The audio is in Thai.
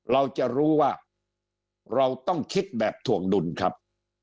เราจะรู้ว่าเราต้องคิดแบบถ่วงดุลครับ